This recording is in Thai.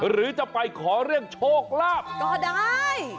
หรือจะไปขอเรื่องโชคลาภก็ได้